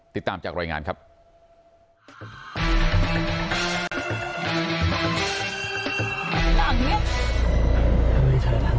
เฮ้ยทางนี้